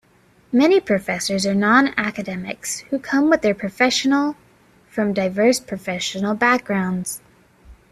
Many professors are non-academics who come with their professional from diverse professional backgrounds.